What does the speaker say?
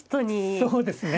そうですね。